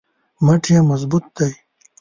مټ یې مضبوط دی.